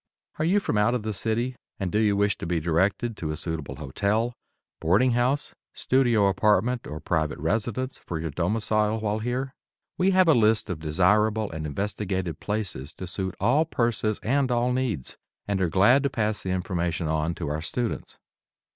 Are you from out of the city, and do you wish to be directed to a suitable hotel, boarding house, studio apartment or private residence for your domicile while here? We have a list of desirable and investigated places to suit all purses and all needs, and are glad to pass the information on to our students.